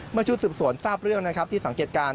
เมื่อชุดสืบสวนทราบเรื่องที่สังเกตการณ์